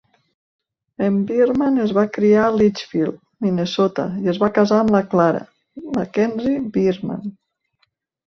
En Bierman es va criar a Litchfield, Minnesota, i es va casar amb la Clara McKenzie Bierman.